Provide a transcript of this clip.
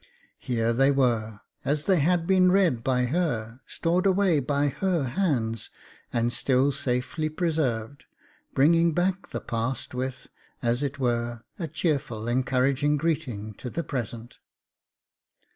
Here they were, as they had been read by her, stored away by her hands, and still safely preserved, bringing back the past with, as it were, a cheerful encouraging greeting to the present.